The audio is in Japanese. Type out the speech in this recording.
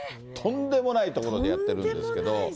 とんでもない所でやってるんですけども。